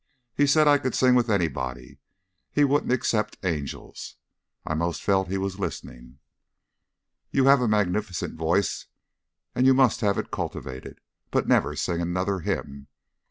He said I could sing with anybody, he wouldn't except angels. I 'most felt he was listening." "You have a magnificent voice, and you must have it cultivated. But never sing another hymn."